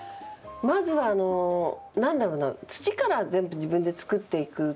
まずは何だろうな土から全部自分で作っていく。